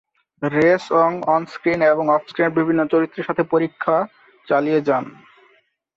Race Wong on screen এবং অফ-স্ক্রিনের বিভিন্ন চরিত্রের সাথে পরীক্ষণ করা চালিয়ে যান।